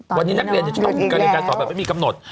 วันนี้นักเรียนจะต้องหยุดการเรียนการสอนแบบไม่มีกำหนด